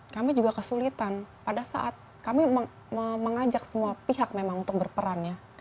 kami juga kesulitan pada saat kami mengajak semua pihak memang untuk berperan ya